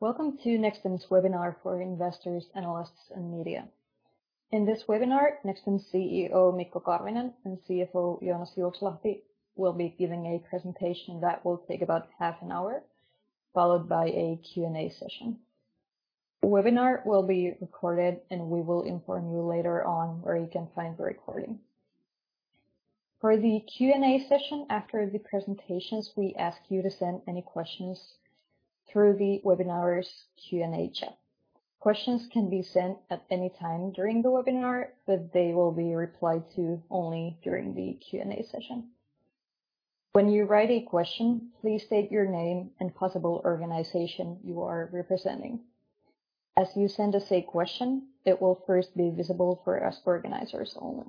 Welcome to Nexstim's webinar for investors, analysts, and media. In this webinar, Nexstim CEO Mikko Karvinen and CFO Joonas Juokslahti will be giving a presentation that will take about half an hour, followed by a Q&A session. The webinar will be recorded, and we will inform you later on where you can find the recording. For the Q&A session after the presentations, we ask you to send any questions through the webinar's Q&A chat. Questions can be sent at any time during the webinar, but they will be replied to only during the Q&A session. When you write a question, please state your name and possible organization you are representing. As you send us a question, it will first be visible for us organizers only.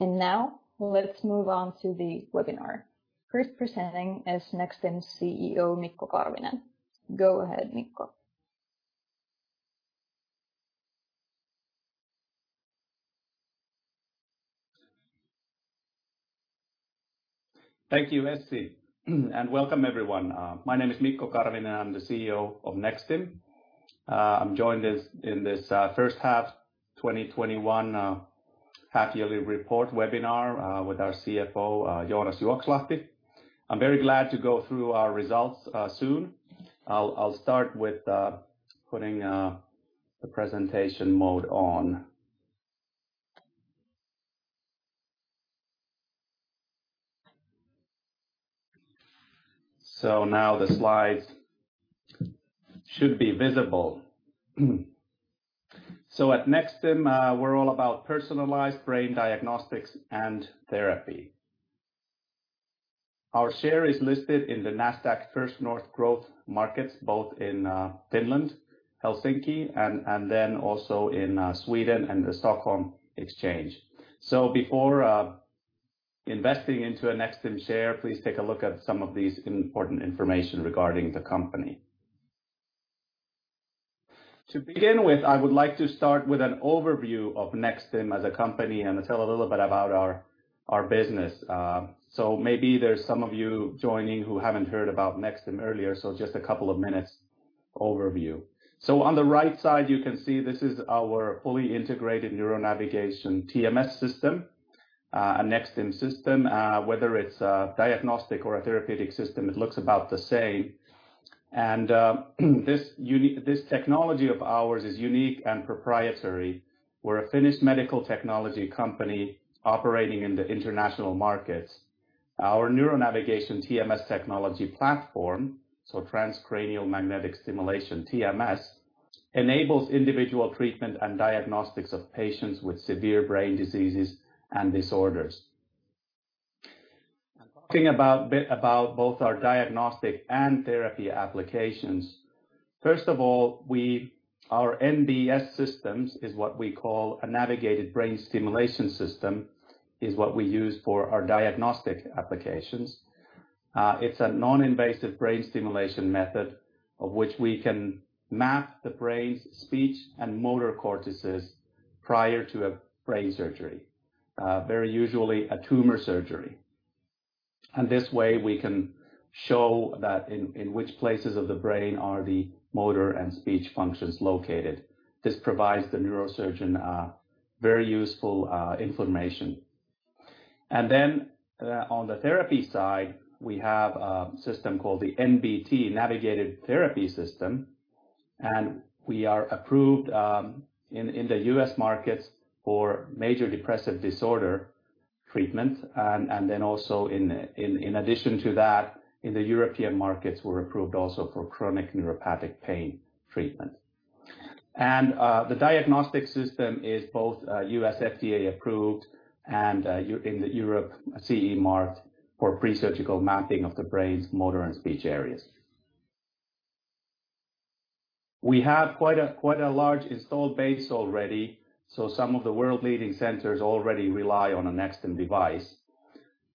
Now, let's move on to the webinar. First presenting is Nexstim CEO, Mikko Karvinen. Go ahead, Mikko. Thank you, Essi, welcome everyone. My name is Mikko Karvinen, I'm the CEO of Nexstim. I'm joined in this first half 2021 half yearly report webinar with our CFO, Joonas Juokslahti. I'm very glad to go through our results soon. I'll start with putting the presentation mode on. Now the slides should be visible. At Nexstim, we're all about personalized brain diagnostics and therapy. Our share is listed in the Nasdaq First North Growth Market, both in Finland, Helsinki, also in Sweden in the Nasdaq Stockholm. Before investing into a Nexstim share, please take a look at some of these important information regarding the company. To begin with, I would like to start with an overview of Nexstim as a company and tell a little bit about our business. Maybe there's some of you joining who haven't heard about Nexstim earlier, just a couple of minutes overview. On the right side, you can see this is our fully integrated neuronavigation TMS system, a Nexstim system. Whether it's a diagnostic or a therapeutic system, it looks about the same. This technology of ours is unique and proprietary. We're a Finnish medical technology company operating in the international markets. Our neuronavigation TMS technology platform, transcranial magnetic stimulation, TMS, enables individual treatment and diagnostics of patients with severe brain diseases and disorders. Talking about both our diagnostic and therapy applications, first of all, our NBS systems is what we call a Navigated Brain Stimulation system, is what we use for our diagnostic applications. It's a non-invasive brain stimulation method of which we can map the brain's speech and motor cortices prior to a brain surgery, very usually a tumor surgery. This way we can show that in which places of the brain are the motor and speech functions located. This provides the neurosurgeon very useful information. Then on the therapy side, we have a system called the NBT, Navigated Brain Therapy system, and we are approved in the U.S. markets for major depressive disorder treatment. Then also in addition to that, in the European markets, we're approved also for chronic neuropathic pain treatment. The diagnostic system is both U.S. FDA approved and in the Europe CE marked for pre-surgical mapping of the brain's motor and speech areas. We have quite a large installed base already, so some of the world-leading centers already rely on a Nexstim device.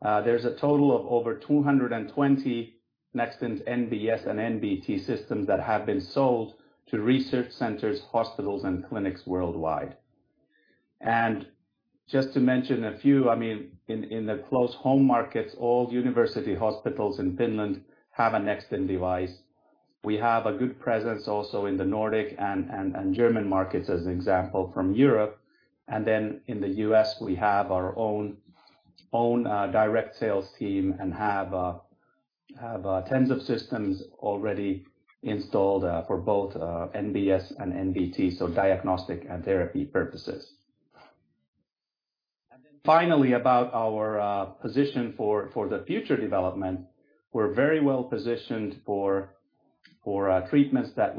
There's a total of over 220 Nexstim NBS and NBT systems that have been sold to research centers, hospitals and clinics worldwide. Just to mention a few, in the close home markets, all university hospitals in Finland have a Nexstim device. We have a good presence also in the Nordic and German markets as an example from Europe. In the U.S., we have our own direct sales team and have tens of systems already installed for both NBS and NBT, so diagnostic and therapy purposes. Finally, about our position for the future development, we're very well positioned for treatments that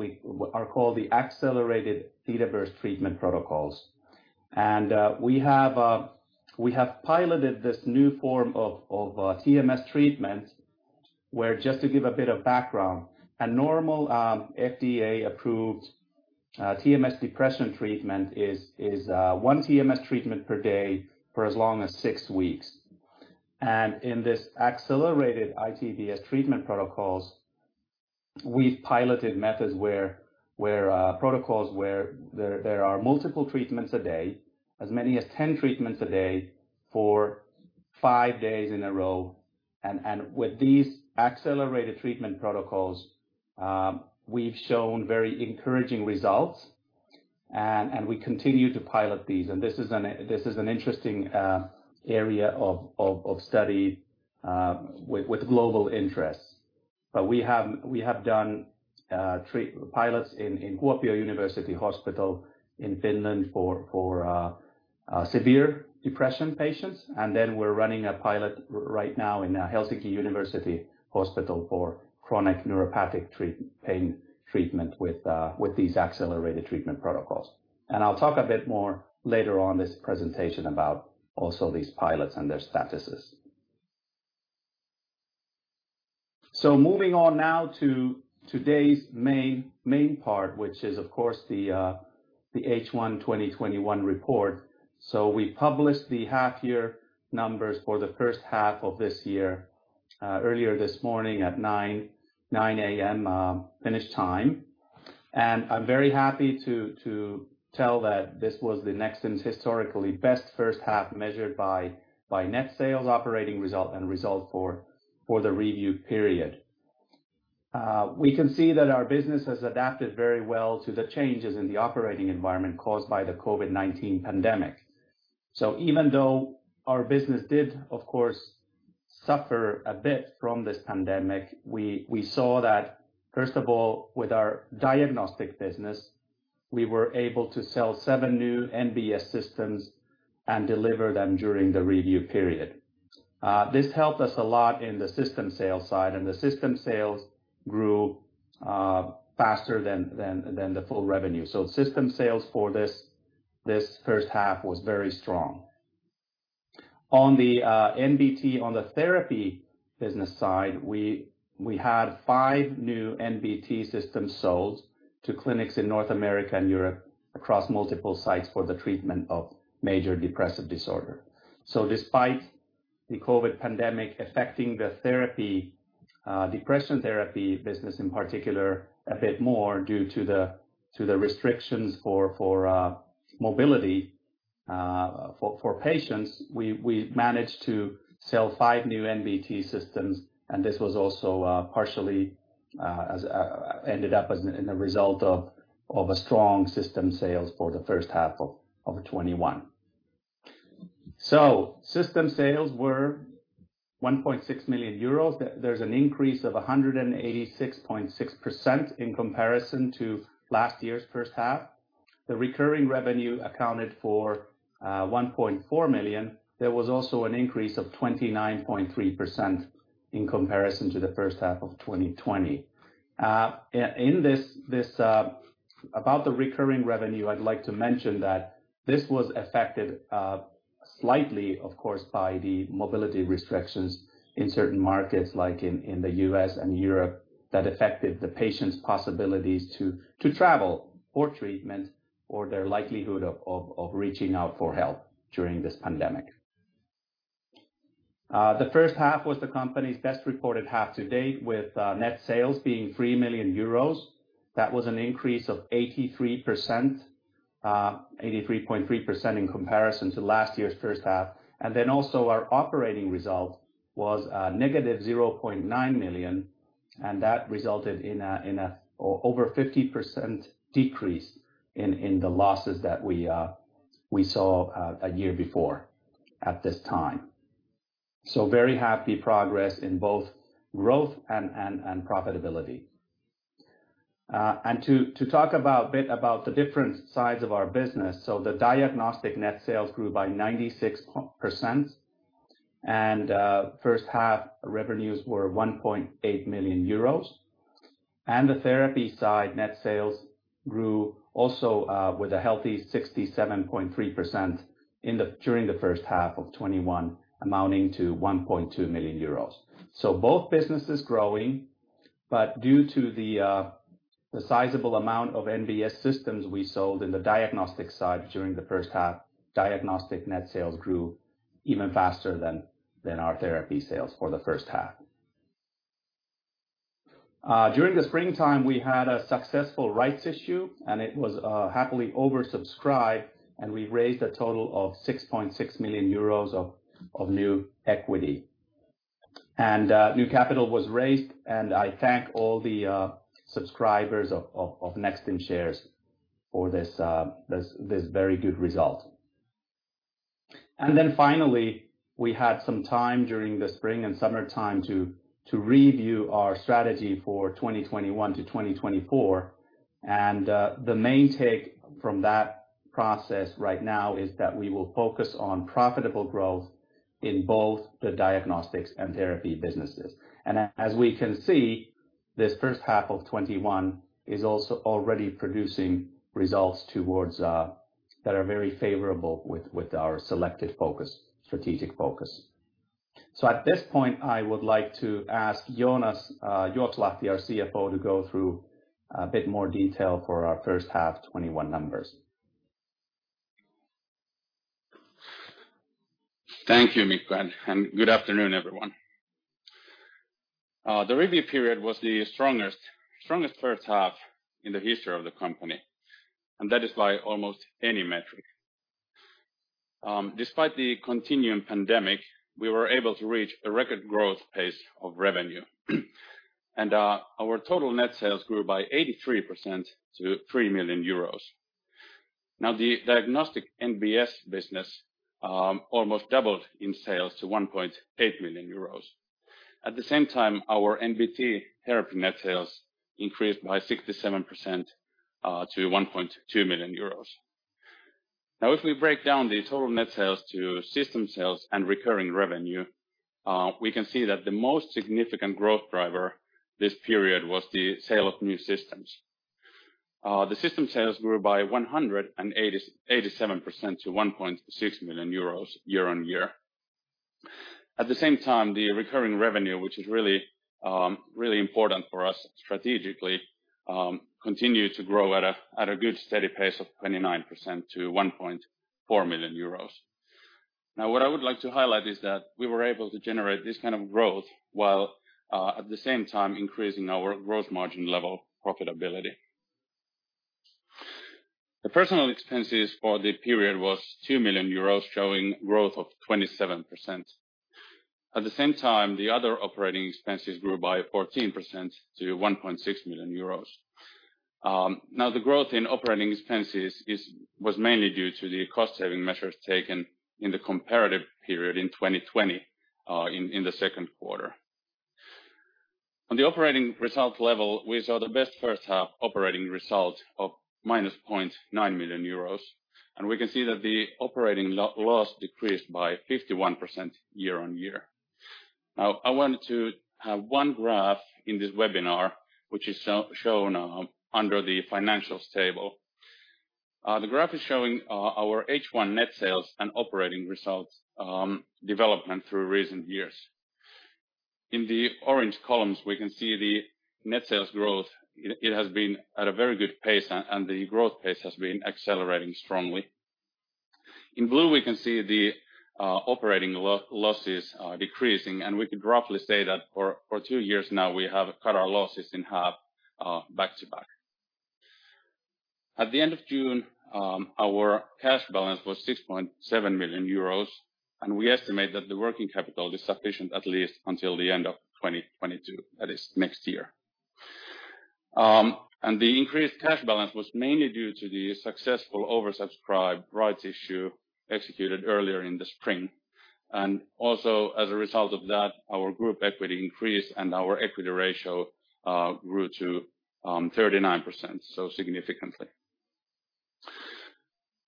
are called the accelerated theta-burst treatment protocols. We have piloted this new form of TMS treatment where, just to give a bit of background, a normal FDA-approved TMS depression treatment is one TMS treatment per day for as long as six weeks. In this accelerated iTBS treatment protocols. We've piloted methods where there are multiple treatments a day, as many as 10 treatments a day for five days in a row. With these accelerated treatment protocols, we've shown very encouraging results, and we continue to pilot these. This is an interesting area of study with global interest. We have done pilots in Kuopio University Hospital in Finland for severe depression patients. We're running a pilot right now in Helsinki University Hospital for chronic neuropathic pain treatment with these accelerated treatment protocols. I'll talk a bit more later on this presentation about also these pilots and their statuses. Moving on now to today's main part, which is of course the H1 2021 report. We published the half-year numbers for the first half of this year earlier this morning at 9:00 A.M., Finnish time. I'm very happy to tell that this was Nexstim's historically best first half measured by net sales, operating result, and result for the review period. We can see that our business has adapted very well to the changes in the operating environment caused by the COVID-19 pandemic. Even though our business did, of course, suffer a bit from this pandemic, we saw that, first of all, with our diagnostic business, we were able to sell seven new NBS systems and deliver them during the review period. This helped us a lot in the system sales side. The system sales grew faster than the full revenue. System sales for this first half was very strong. On the NBT on the therapy business side, we had five new NBT systems sold to clinics in North America and Europe across multiple sites for the treatment of Major Depressive Disorder. Despite the COVID-19 pandemic affecting the depression therapy business in particular a bit more due to the restrictions for mobility for patients, we managed to sell five new NBT systems, and this was also partially ended up as a result of a strong system sales for the first half of 2021. System sales were 1.6 million euros. There was an increase of 186.6% in comparison to last year's first half. The recurring revenue accounted for 1.4 million. There was also an increase of 29.3% in comparison to the first half of 2020. About the recurring revenue, I'd like to mention that this was affected slightly, of course, by the mobility restrictions in certain markets, like in the U.S. and Europe, that affected the patients' possibilities to travel for treatment or their likelihood of reaching out for help during this pandemic. The first half was the company's best reported half to date, with net sales being 3 million euros. That was an increase of 83.3% in comparison to last year's first half. Our operating result was a -0.9 million, and that resulted in an over 50% decrease in the losses that we saw a year before at this time. Very happy progress in both growth and profitability. To talk a bit about the different sides of our business, the diagnostic net sales grew by 96%, and first half revenues were 1.8 million euros. The therapy side net sales grew also with a healthy 67.3% during the first half of 2021, amounting to 1.2 million euros. Both businesses growing, but due to the sizable amount of NBS systems we sold in the diagnostic side during the first half, diagnostic net sales grew even faster than our therapy sales for the first half. During the springtime, we had a successful rights issue, it was happily oversubscribed, we raised a total of 6.6 million euros of new equity. New capital was raised, I thank all the subscribers of Nexstim shares for this very good result. Finally, we had some time during the spring and summer time to review our strategy for 2021 to 2024, the main take from that process right now is that we will focus on profitable growth in both the diagnostics and therapy businesses. As we can see, this first half of 2021 is also already producing results that are very favorable with our selected strategic focus. At this point, I would like to ask Joonas Juokslahti, our CFO, to go through a bit more detail for our first half 2021 numbers. Thank you, Mikko, and good afternoon, everyone. The review period was the strongest first half in the history of the company, and that is by almost any metric. Despite the continuing pandemic, we were able to reach a record growth pace of revenue, and our total net sales grew by 83% to 3 million euros. Now, the diagnostic NBS business almost doubled in sales to 1.8 million euros. At the same time, our NBT therapy net sales increased by 67% to 1.2 million euros. Now, if we break down the total net sales to system sales and recurring revenue, we can see that the most significant growth driver this period was the sale of new systems. The system sales grew by 187% to 1.6 million euros year-on-year. At the same time, the recurring revenue, which is really important for us strategically, continued to grow at a good, steady pace of 29% to 1.4 million euros. What I would like to highlight is that we were able to generate this kind of growth while at the same time increasing our gross margin level profitability. The personnel expenses for the period was 2 million euros, showing growth of 27%. At the same time, the other operating expenses grew by 14% to 1.6 million euros. The growth in operating expenses was mainly due to the cost-saving measures taken in the comparative period in 2020, in the second quarter. On the operating result level, we saw the best first-half operating result of minus 0.9 million euros, we can see that the operating loss decreased by 51% year-on-year. I wanted to have one graph in this webinar, which is shown under the financials table. The graph is showing our H1 net sales and operating results development through recent years. In the orange columns, we can see the net sales growth. It has been at a very good pace, and the growth pace has been accelerating strongly. In blue, we can see the operating losses decreasing, and we could roughly say that for two years now, we have cut our losses in half back-to-back. At the end of June, our cash balance was 6.7 million euros, and we estimate that the working capital is sufficient at least until the end of 2022. That is next year. The increased cash balance was mainly due to the successful oversubscribed rights issue executed earlier in the spring. Also, as a result of that, our group equity increased and our equity ratio grew to 39%, so significantly.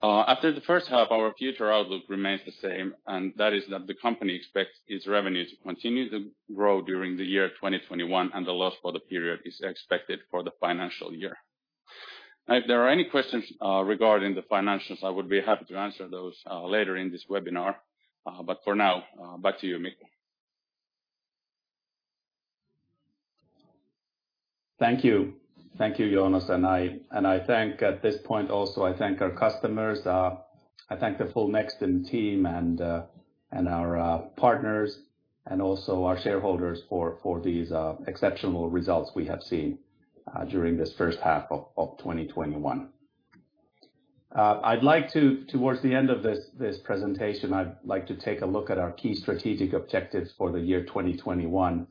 After the first half, our future outlook remains the same, and that is that the company expects its revenue to continue to grow during the year 2021, and the loss for the period is expected for the financial year. If there are any questions regarding the financials, I would be happy to answer those later in this webinar. For now, back to you, Mikko. Thank you. Thank you, Joonas. I at this point also I thank our customers, I thank the full Nexstim team and our partners and also our shareholders for these exceptional results we have seen during this first half of 2021. Towards the end of this presentation, I'd like to take a look at our key strategic objectives for the year 2021.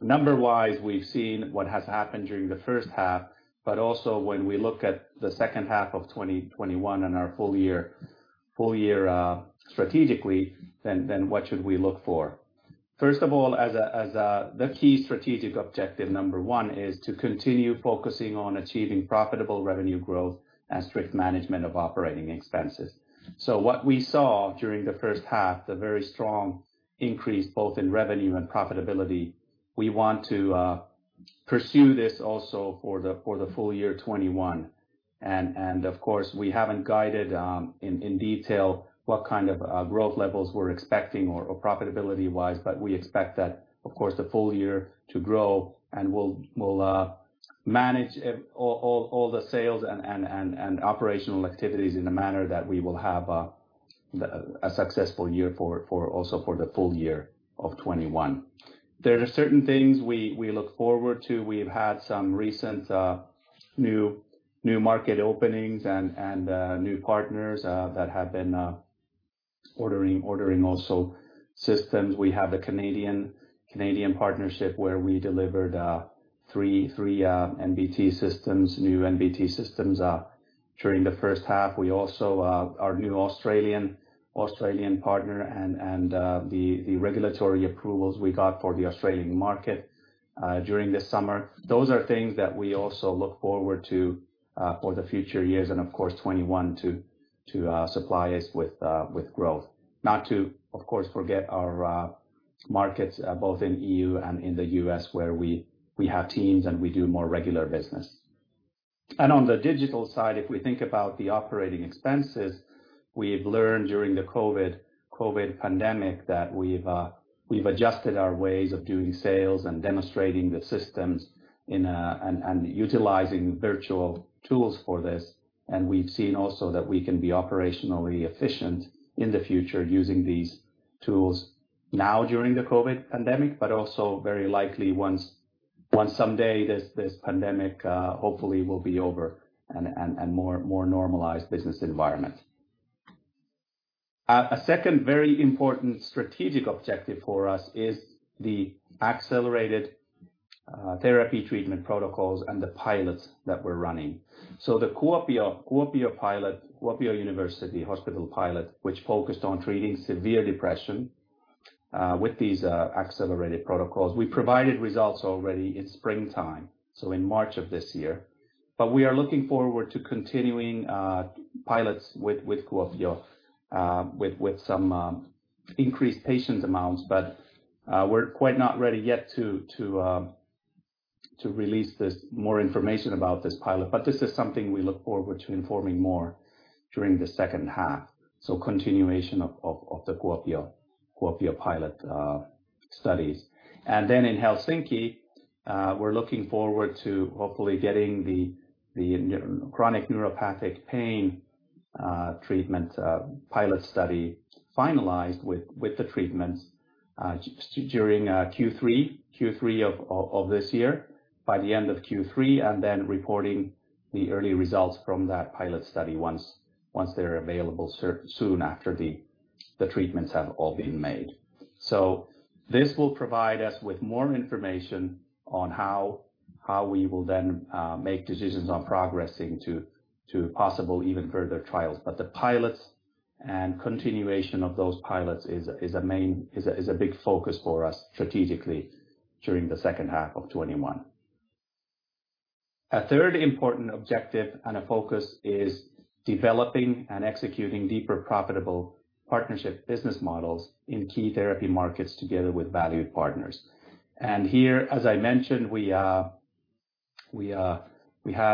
Number-wise, we've seen what has happened during the first half, but also when we look at the second half of 2021 and our full-year strategically, what should we look for? First of all, the key strategic objective number one is to continue focusing on achieving profitable revenue growth and strict management of operating expenses. What we saw during the first half, the very strong increase both in revenue and profitability, we want to pursue this also for the full-year 2021. Of course, we haven't guided in detail what kind of growth levels we're expecting or profitability-wise, but we expect that, of course, the full-year to grow and we'll manage all the sales and operational activities in a manner that we will have a successful year also for the full year of 2021. There are certain things we look forward to. We've had some recent new market openings and new partners that have been ordering also systems. We have the Canadian partnership where we delivered three NBT systems, new NBT systems during the first half. Our new Australian partner and the regulatory approvals we got for the Australian market during the summer. Those are things that we also look forward to for the future years and, of course, 2021 to supply us with gross. Not to, of course, forget our markets both in EU and in the U.S. where we have teams and we do more regular business. On the digital side, if we think about the operating expenses, we've learned during the COVID-19 pandemic that we've adjusted our ways of doing sales and demonstrating the systems, and utilizing virtual tools for this. We've seen also that we can be operationally efficient in the future using these tools now during the COVID-19 pandemic, but also very likely once someday this pandemic hopefully will be over, and more normalized business environment. A second very important strategic objective for us is the accelerated therapy treatment protocols and the pilots that we're running. The Kuopio University Hospital pilot, which focused on treating severe depression with these accelerated protocols. We provided results already in springtime, in March of this year. We are looking forward to continuing pilots with Kuopio with some increased patient amounts. We are quite not ready yet to release more information about this pilot. This is something we look forward to informing more during the second half, so continuation of the Kuopio pilot studies. In Helsinki, we are looking forward to hopefully getting the chronic neuropathic pain treatment pilot study finalized with the treatments during Q3 of this year by the end of Q3, reporting the early results from that pilot study once they are available soon after the treatments have all been made. This will provide us with more information on how we will then make decisions on progressing to possible even further trials. The pilots and continuation of those pilots is a big focus for us strategically during the second half of 2021. A third important objective and a focus is developing and executing deeper profitable partnership business models in key therapy markets together with valued partners. Here, as I mentioned, we had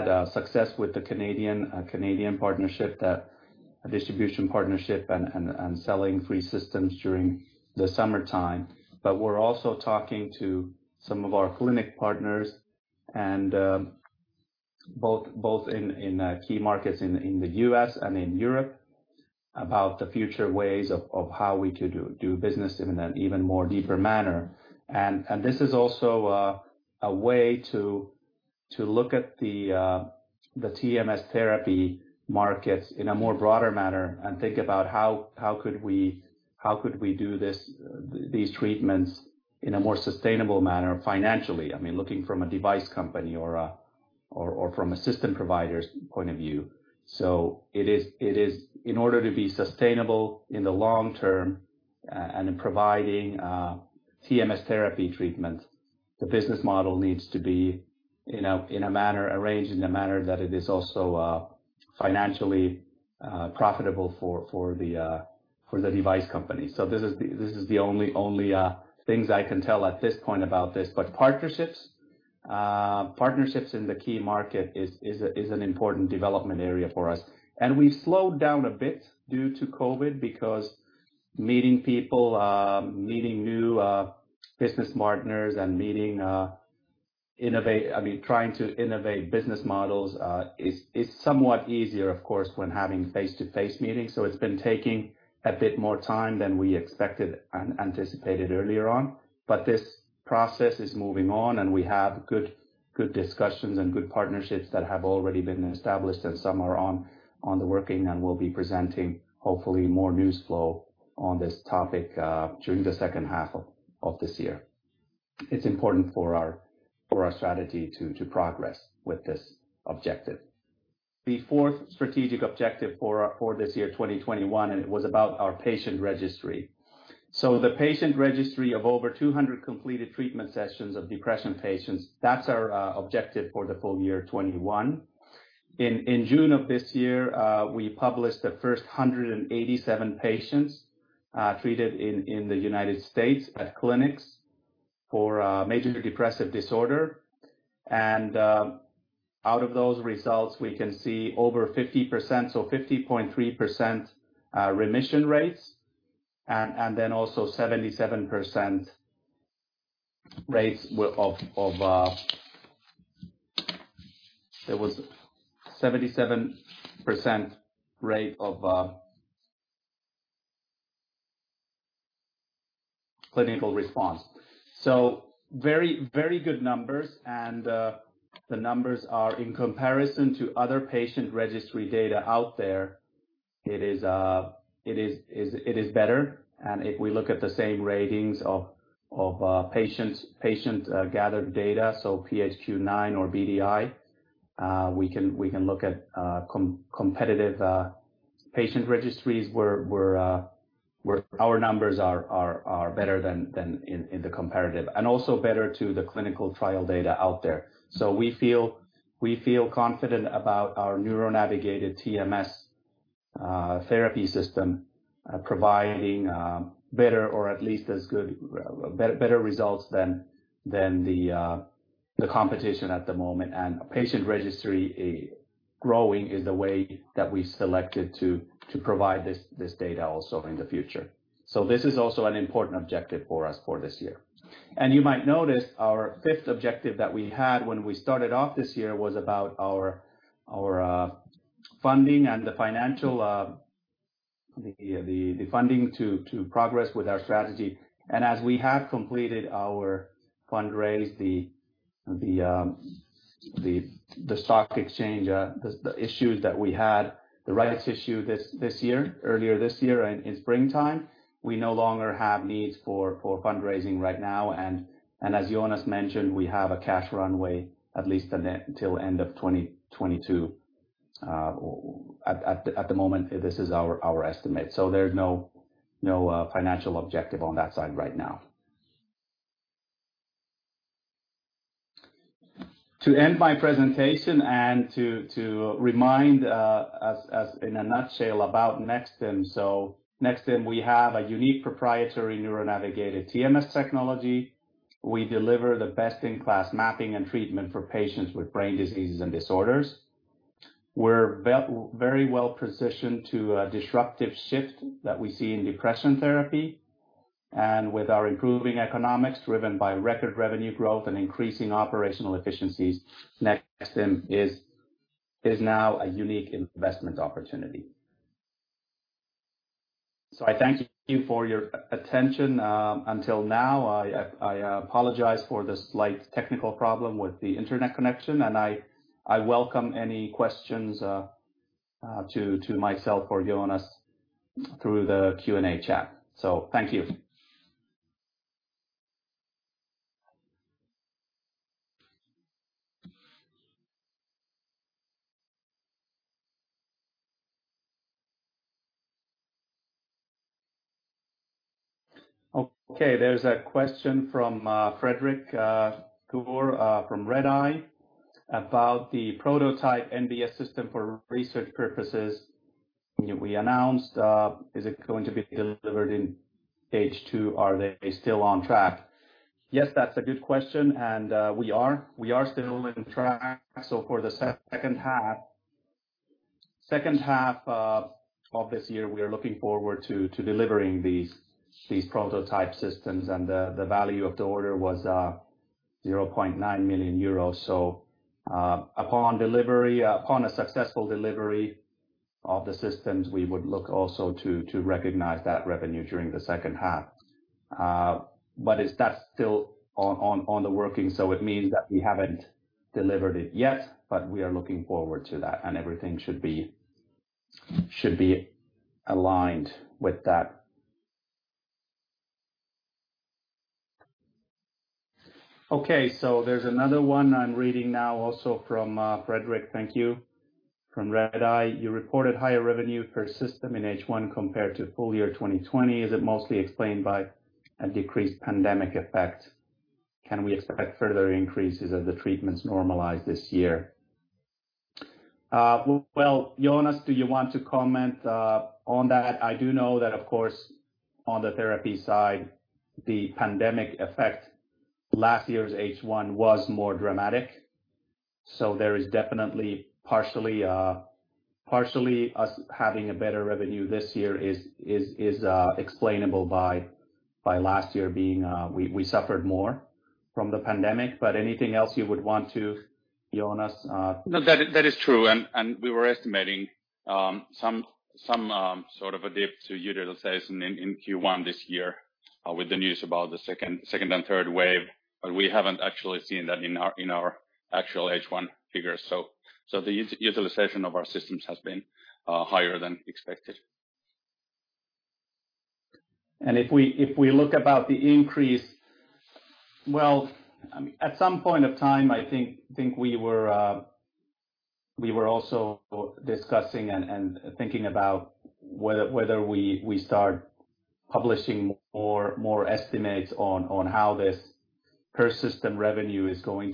a success with the Canadian partnership, a distribution partnership, and selling three systems during the summertime. We're also talking to some of our clinic partners, both in key markets in the U.S. and in Europe, about the future ways of how we could do business in an even more deeper manner. This is also a way to look at the TMS therapy market in a more broader manner, and think about how could we do these treatments in a more sustainable manner financially. I mean, looking from a device company or from a system provider's point of view. In order to be sustainable in the long-term and in providing TMS therapy treatment, the business model needs to be arranged in a manner that it is also financially profitable for the device company. This is the only things I can tell at this point about this. Partnerships in the key market is an important development area for us. We slowed down a bit due to COVID because meeting people, meeting new business partners, and trying to innovate business models is somewhat easier, of course, when having face-to-face meetings. It's been taking a bit more time than we expected and anticipated earlier on. This process is moving on, and we have good discussions and good partnerships that have already been established, and some are on the working, and we'll be presenting hopefully more news flow on this topic during the second half of this year. It's important for our strategy to progress with this objective. The fourth strategic objective for this year, 2021, it was about our patient registry. The patient registry of over 200 completed treatment sessions of depression patients, that's our objective for the full-year 2021. In June of this year, we published the first 187 patients treated in the United States at clinics for Major Depressive Disorder. Out of those results, we can see over 50%, so 50.3% remission rates, and then also 77% rates of clinical response. Very good numbers, and the numbers are in comparison to other patient registry data out there. It is better. If we look at the same ratings of patient-gathered data, so PHQ-9 or BDI, we can look at competitive patient registries where our numbers are better than in the comparative, and also better to the clinical trial data out there. We feel confident about our neuronavigated TMS therapy system providing better or at least as good results than the competition at the moment. A patient registry growing is the way that we selected to provide this data also in the future. This is also an important objective for us for this year. You might notice our fifth objective that we had when we started off this year was about our funding and the funding to progress with our strategy. As we have completed our fundraise, the stock exchange, the issues that we had, the rights issue earlier this year in springtime, we no longer have needs for fundraising right now. As Joonas mentioned, we have a cash runway at least until end of 2022. At the moment, this is our estimate. There's no financial objective on that side right now. To end my presentation and to remind us in a nutshell about Nexstim. Nexstim, we have a unique proprietary neuronavigated TMS technology. We deliver the best-in-class mapping and treatment for patients with brain diseases and disorders. We're very well-positioned to a disruptive shift that we see in depression therapy. With our improving economics driven by record revenue gross and increasing operational efficiencies, Nexstim is now a unique investment opportunity. I thank you for your attention until now. I apologize for the slight technical problem with the internet connection, and I welcome any questions to myself or Joonas through the Q&A chat. Thank you. There's a question from Fredrik [Cooper] from Redeye about the prototype NBS system for research purposes we announced. Is it going to be delivered in H2? Are they still on track? Yes, that's a good question, we are still on track. For the second half of this year, we are looking forward to delivering these prototype systems, the value of the order was 0.9 million euros. Upon a successful delivery of the systems, we would look also to recognize that revenue during the second half. That's still on the working, it means that we haven't delivered it yet, we are looking forward to that, everything should be aligned with that. Okay, there's another one I'm reading now also from Fredrik. Thank you. From Redeye. You reported higher revenue per system in H1 compared to full-year 2020. Is it mostly explained by a decreased pandemic effect? Can we expect further increases as the treatments normalize this year? Joonas, do you want to comment on that? I do know that of course, on the therapy side, the pandemic effect last year's H1 was more dramatic. There is definitely partially us having a better revenue this year is explainable by last year we suffered more from the pandemic. Anything else you would want to, Joonas? No, that is true, and we were estimating some sort of a dip to utilization in Q1 this year with the news about the second and third wave, but we haven't actually seen that in our actual H1 figures. The utilization of our systems has been higher than expected. If we look about the increase, well, at some point of time, I think we were also discussing and thinking about whether we start publishing more estimates on how this per system revenue is going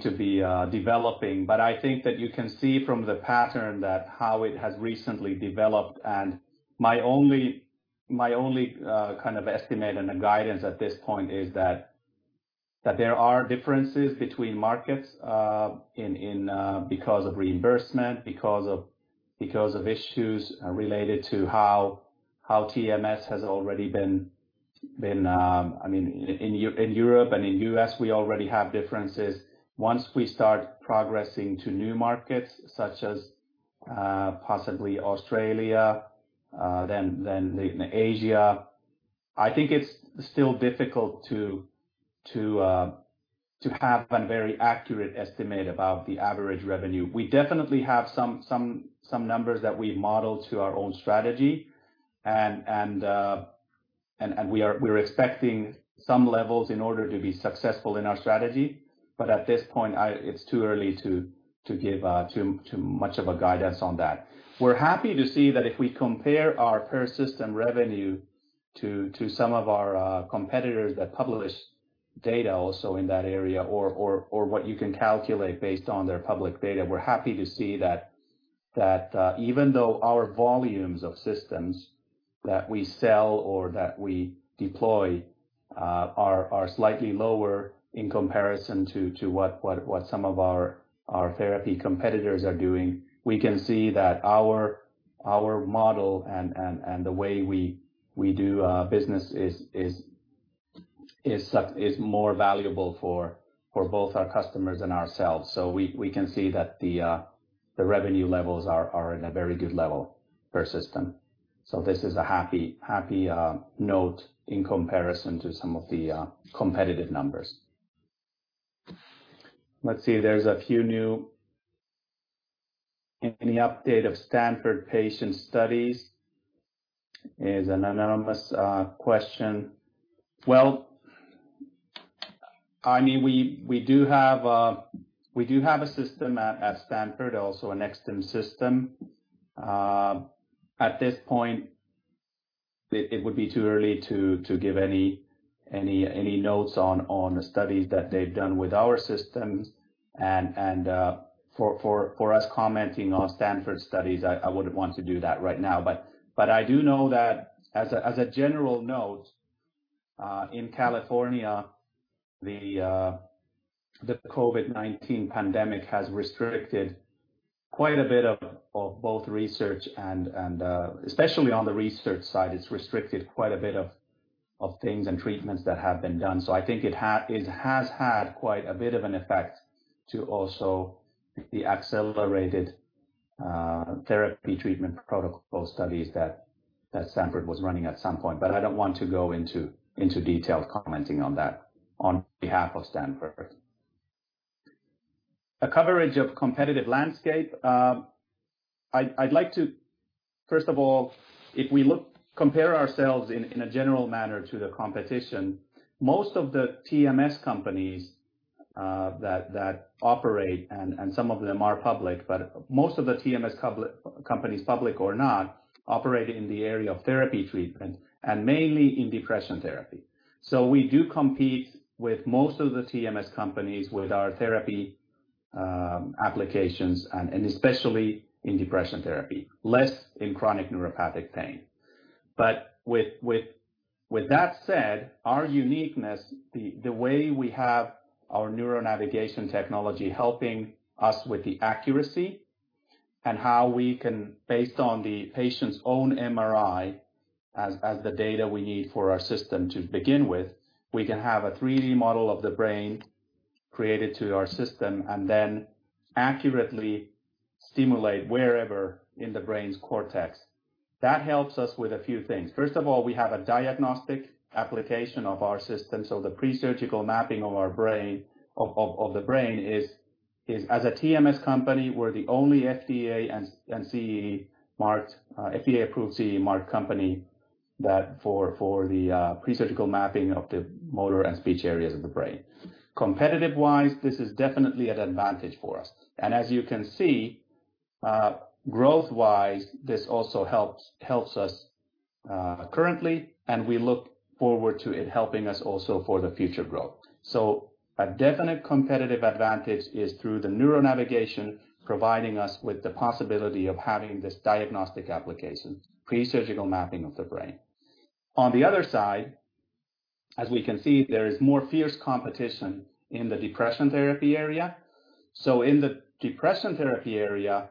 to be developing. I think that you can see from the pattern that how it has recently developed, and my only kind of estimate and a guidance at this point is that there are differences between markets because of reimbursement, because of issues related to how TMS has already been in Europe and in the U.S., we already have differences. Once we start progressing to new markets such as possibly Australia, then Asia, I think it's still difficult to have a very accurate estimate about the average revenue. We definitely have some numbers that we model to our own strategy, and we're expecting some levels in order to be successful in our strategy. At this point, it's too early to give too much of a guidance on that. We're happy to see that if we compare our per system revenue to some of our competitors that publish data also in that area or what you can calculate based on their public data, we're happy to see that even though our volumes of systems that we sell or that we deploy are slightly lower in comparison to what some of our therapy competitors are doing, we can see that our model and the way we do business is more valuable for both our customers and ourselves. We can see that the revenue levels are in a very good level per system. This is a happy note in comparison to some of the competitive numbers. Let's see. There's a few new. Any update of Stanford patient studies? Is an anonymous question. We do have a system at Stanford, also a Nexstim system. At this point, it would be too early to give any notes on the studies that they've done with our systems, and for us commenting on Stanford studies, I wouldn't want to do that right now. I do know that, as a general note, in California, the COVID-19 pandemic has restricted quite a bit of both research and, especially on the research side, it's restricted quite a bit of things and treatments that have been done. I think it has had quite a bit of an effect to also the accelerated therapy treatment protocol studies that Stanford was running at some point. I don't want to go into detailed commenting on that on behalf of Stanford. A coverage of competitive landscape. I'd like to, first of all, if we compare ourselves in a general manner to the competition, most of the TMS companies that operate, and some of them are public, but most of the TMS companies, public or not, operate in the area of therapy treatment, and mainly in depression therapy. We do compete with most of the TMS companies with our therapy applications, and especially in depression therapy, less in chronic neuropathic pain. With that said, our uniqueness, the way we have our neuronavigation technology helping us with the accuracy, and how we can, based on the patient's own MRI as the data we need for our system to begin with, we can have a 3D model of the brain created to our system, and then accurately stimulate wherever in the brain's cortex. That helps us with a few things. First of all, we have a diagnostic application of our system. The pre-surgical mapping of the brain, as a TMS company, we're the only FDA approved CE marked company for the pre-surgical mapping of the motor and speech areas of the brain. Competitive-wise, this is definitely an advantage for us. As you can see, growth-wise, this also helps us currently, and we look forward to it helping us also for the future growth. A definite competitive advantage is through the neuronavigation, providing us with the possibility of having this diagnostic application, pre-surgical mapping of the brain. On the other side, as we can see, there is more fierce competition in the depression therapy area. In the depression therapy area,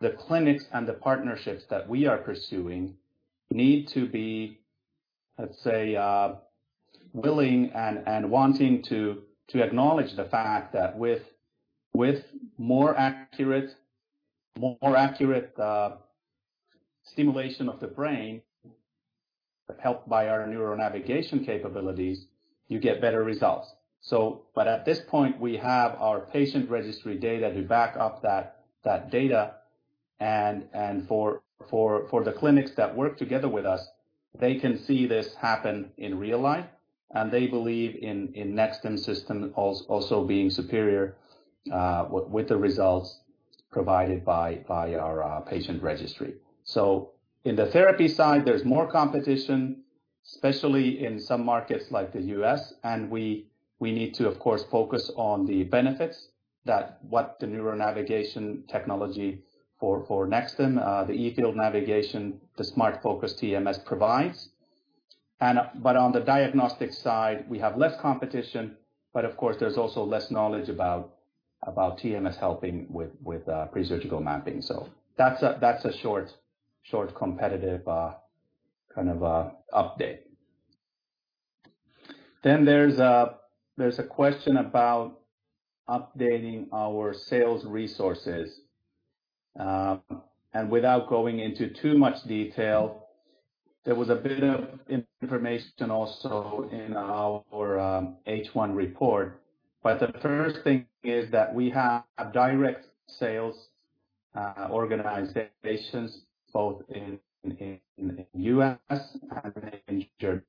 the clinics and the partnerships that we are pursuing need to be, let's say, willing and wanting to acknowledge the fact that with more accurate stimulation of the brain, helped by our neuronavigation capabilities, you get better results. At this point, we have our patient registry data to back up that data, and for the clinics that work together with us, they can see this happen in real life, and they believe in Nexstim system also being superior with the results provided by our patient registry. In the therapy side, there's more competition, especially in some markets like the U.S., and we need to, of course, focus on the benefits that what the neuronavigation technology for Nexstim, the E-field navigation, the SmartFocus TMS provides. On the diagnostic side, we have less competition, of course, there's also less knowledge about TMS helping with pre-surgical mapping. That's a short competitive kind of update. There's a question about updating our sales resources. Without going into too much detail, there was a bit of information also in our H1 report. The first thing is that we have direct sales organizations both in U.S. and in Germany.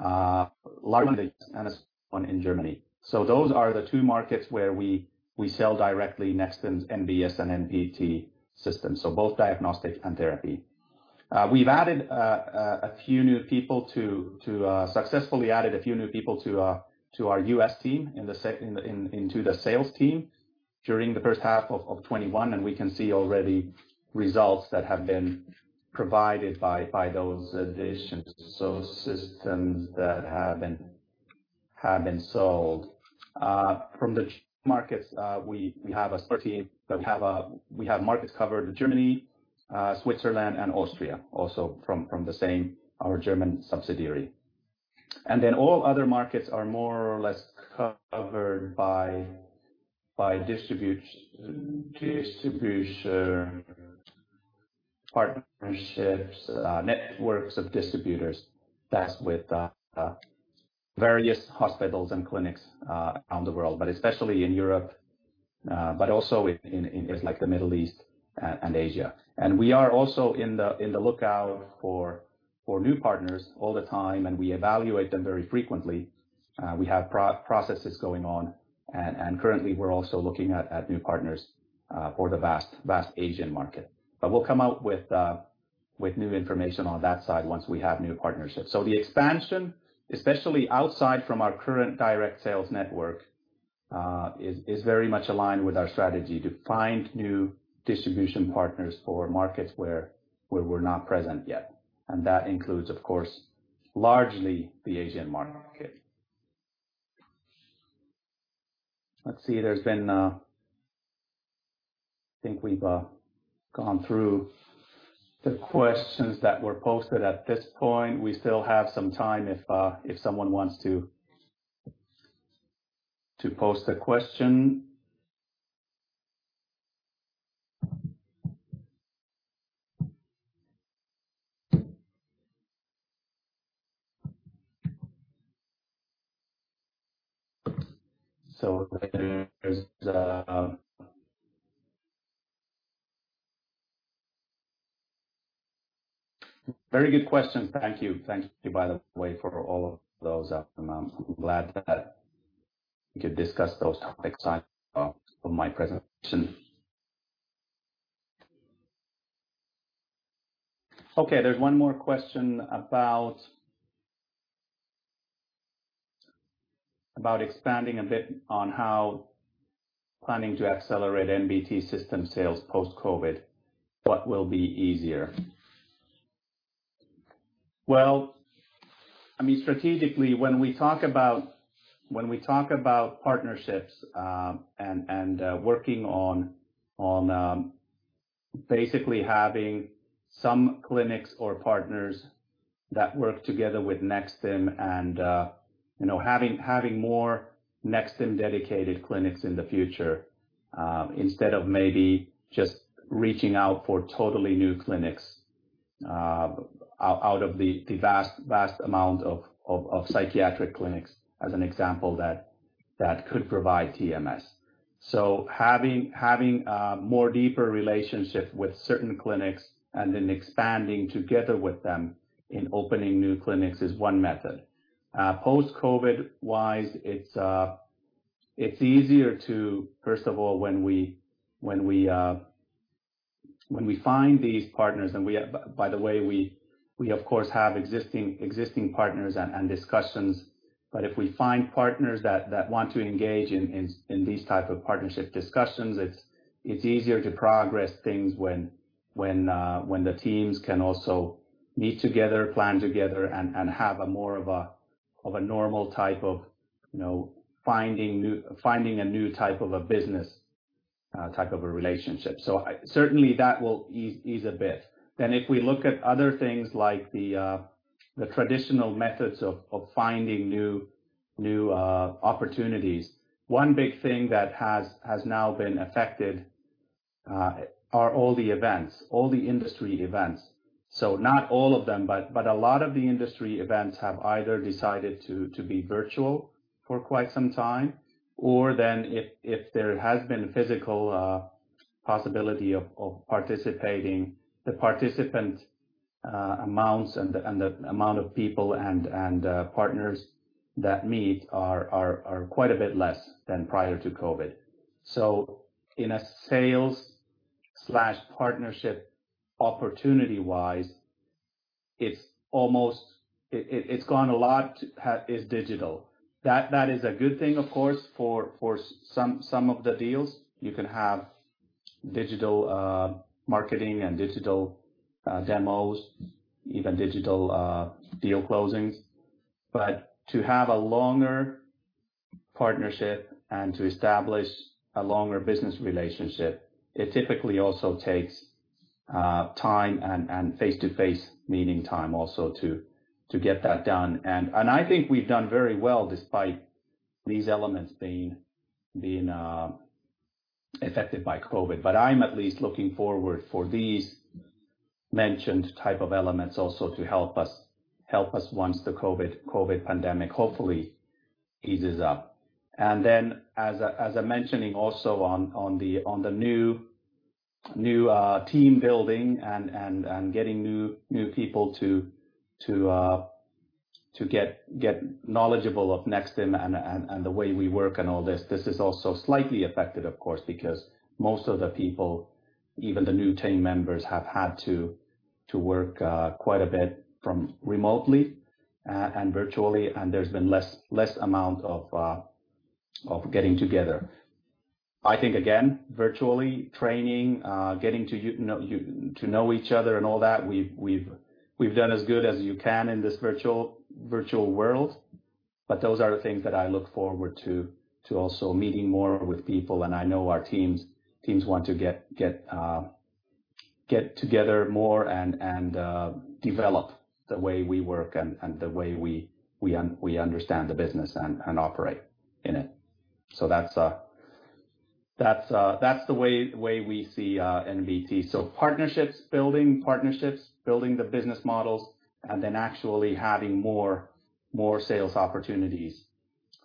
Large one in the U.S., and a small one in Germany. Those are the two markets where we sell directly Nexstim NBS and NBT systems. Both diagnostic and therapy. We've successfully added a few new people to our U.S. team, into the sales team during the first half of 2021, and we can see already results that have been provided by those additions. Systems that have been sold. From the markets, we have markets covered in Germany, Switzerland, and Austria, also from the same, our German subsidiary. All other markets are more or less covered by distribution partnerships, networks of distributors with various hospitals and clinics around the world, but especially in Europe, but also in the Middle East and Asia. We are also in the lookout for new partners all the time, and we evaluate them very frequently. We have processes going on, and currently we're also looking at new partners for the vast Asian market. We'll come out with new information on that side once we have new partnerships. The expansion, especially outside from our current direct sales network, is very much aligned with our strategy to find new distribution partners for markets where we're not present yet. That includes, of course, largely the Asian market. Let's see. I think we've gone through the questions that were posted at this point. We still have some time if someone wants to post a question. There is a very good question. Thank you. Thank you, by the way, for all of those. I'm glad that we could discuss those topics of my presentation. There's one more question about expanding a bit on how planning to accelerate NBT system sales post-COVID, what will be easier? Well, strategically when we talk about partnerships, and working on basically having some clinics or partners that work together with Nexstim and having more Nexstim-dedicated clinics in the future, instead of maybe just reaching out for totally new clinics out of the vast amount of psychiatric clinics, as an example, that could provide TMS. Having a more deeper relationship with certain clinics and then expanding together with them in opening new clinics is one method. Post-COVID-19-wise, it's easier to, first of all, when we find these partners, and by the way, we of course have existing partners and discussions, but if we find partners that want to engage in these type of partnership discussions, it's easier to progress things when the teams can also meet together, plan together, and have a more of a normal type of finding a new type of a business type of a relationship. Certainly that will ease a bit. If we look at other things like the traditional methods of finding new opportunities, one big thing that has now been affected are all the events, all the industry events. Not all of them, but a lot of the industry events have either decided to be virtual for quite some time, or then if there has been a physical possibility of participating, the participant amounts and the amount of people and partners that meet are quite a bit less than prior to COVID. In a sales/partnership opportunity-wise, it's gone a lot is digital. That is a good thing, of course, for some of the deals. You can have digital marketing and digital demos, even digital deal closings. To have a longer partnership and to establish a longer business relationship, it typically also takes time and face-to-face meeting time also to get that done. I think we've done very well despite these elements being affected by COVID. I'm at least looking forward for these mentioned type of elements also to help us once the COVID pandemic hopefully eases up. Then as I'm mentioning also on the new team building and getting new people to get knowledgeable of Nexstim and the way we work and all this is also slightly affected, of course, because most of the people, even the new team members, have had to work quite a bit from remotely and virtually, and there's been less amount of getting together. I think, again, virtually training, getting to know each other and all that, we've done as good as you can in this virtual world. Those are the things that I look forward to, also meeting more with people, and I know our teams want to get together more and develop the way we work and the way we understand the business and operate in it. That's the way we see NBT. Partnerships, building partnerships, building the business models, and then actually having more sales opportunities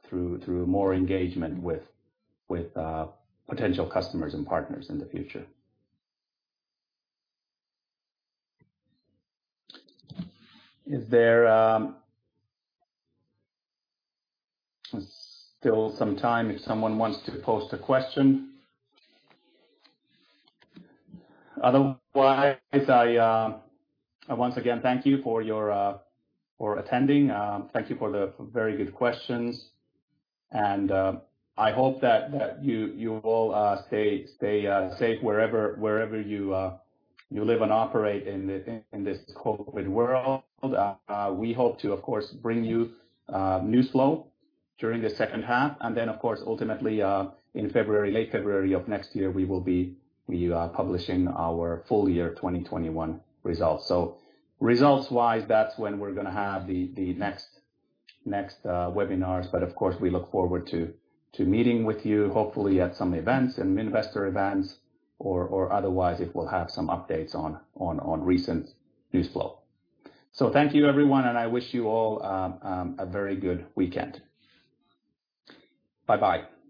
through more engagement with potential customers and partners in the future. Is there still some time if someone wants to post a question? Otherwise, I once again thank you for attending. Thank you for the very good questions, and I hope that you all stay safe wherever you live and operate in this COVID-19 world. We hope to, of course, bring you news flow during the second half, and then, of course, ultimately, in late February of next year, we will be publishing our full-year 2021 results. Results-wise, that's when we're going to have the next webinars. Of course, we look forward to meeting with you, hopefully at some events, investor events, or otherwise if we'll have some updates on recent news flow. Thank you, everyone, and I wish you all a very good weekend. Bye-bye.